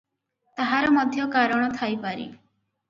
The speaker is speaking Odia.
ତାହାର ମଧ୍ୟ କାରଣ ଥାଇପାରେ ।